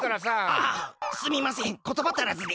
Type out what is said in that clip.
ああすみませんことばたらずで。